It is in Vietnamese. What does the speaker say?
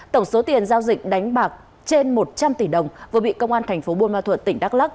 tổng số tiền giao dịch đánh bạc trên một trăm linh tỷ đồng vừa bị công an thành phố buôn ma thuận tỉnh đắk lắc